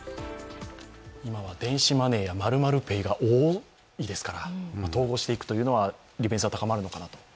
今は電子マネーや○○ペイが多いですから統合していくというのは利便性は高まるのかなと。